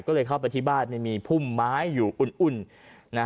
ก็เลยเข้าไปที่บ้านไม่มีพุ่มไม้อยู่อุ่น